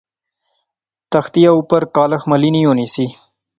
تختیا اُپر کالخ ملی نی ہونی سی